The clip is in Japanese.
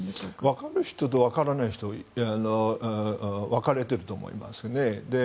わかる人と、わからない人分かれていると思いますね。